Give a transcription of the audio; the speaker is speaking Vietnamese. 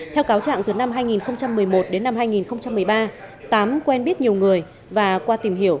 theo cáo trạng từ năm hai nghìn một mươi một đến năm hai nghìn một mươi ba tám quen biết nhiều người và qua tìm hiểu